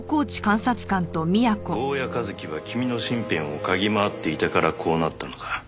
「坊谷一樹は君の身辺を嗅ぎ回っていたからこうなったのだ。